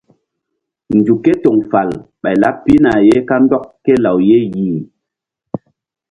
Nzuk ké toŋ fal ɓay laɓ pihna ye kandɔk ké law ye yih.